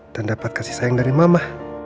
dan dapat kasih sayang dari mama